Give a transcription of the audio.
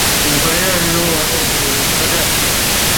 古槐镇是中国福建省福州市长乐区下辖的一个镇。